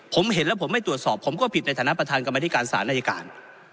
ผมเห็นแล้วผมไม่ตรวจสอบผมก็ผิดในฐานะประธานกรรมธิการศาลอายการ